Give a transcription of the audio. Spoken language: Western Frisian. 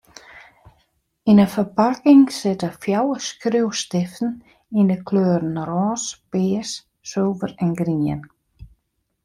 Yn in ferpakking sitte fjouwer skriuwstiften yn 'e kleuren rôs, pears, sulver en grien.